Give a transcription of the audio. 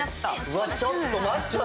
うわっちょっと待って。